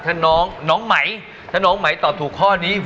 ถ้าน้องน้องไหมถ้าน้องไหมตอบถูกข้อนี้